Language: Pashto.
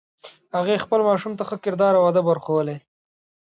هغې خپل ماشوم ته ښه کردار او ادب ور ښوولی